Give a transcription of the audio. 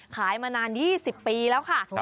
ขายมานาน๒๐ปีแล้วค่ะ